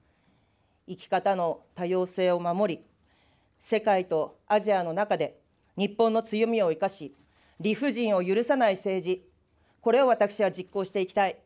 生き方の多様性を守り、世界とアジアの中で日本の強みを生かし、理不尽を許さない政治、これを私は実行していきたい。